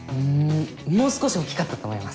もう少し大きかったと思います。